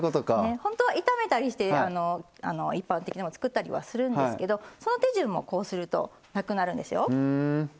本当は炒めたりして一般的には作ったりするんですけどその手順も、こうするとなくなるんですよ。